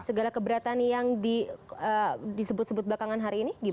segala keberatan yang disebut sebut bakangan hari ini gimana